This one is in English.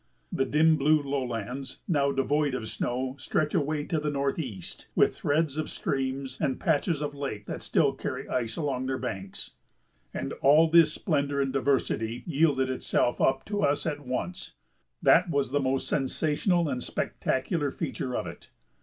The dim blue lowlands, now devoid of snow, stretch away to the northeast, with threads of stream and patches of lake that still carry ice along their banks. And all this splendor and diversity yielded itself up to us at once; that was the most sensational and spectacular feature of it.